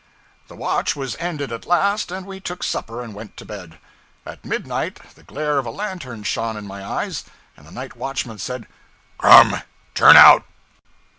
The watch was ended at last, and we took supper and went to bed. At midnight the glare of a lantern shone in my eyes, and the night watchman said 'Come! turn out!'